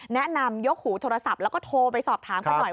แนะนำยกหูโทรศัพท์แล้วก็โทรไปสอบถามกันหน่อย